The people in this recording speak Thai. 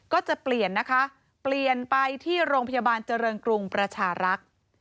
ก็จะเปลี่ยนนะคะเปลี่ยนไปที่โรงพยาบาลเจริญกรุงประชารักษ์